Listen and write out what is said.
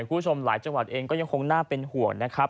คุณผู้ชมหลายจังหวัดเองก็ยังคงน่าเป็นห่วงนะครับ